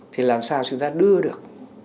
thì làm sao chúng ta đưa được